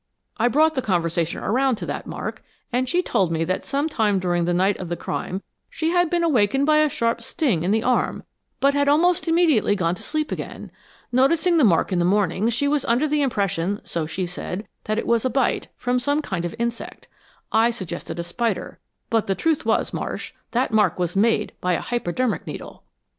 I brought the conversation around to that mark, and she told me that some time during the night of the crime she had been awakened by a sharp sting in the arm, but had almost immediately gone to sleep again. Noticing the mark in the morning, she was under the impression, so she said, that it was a bite, from some kind of insect I suggested a spider. But the truth was, Marsh, that mark was made by a hypodermic needle!"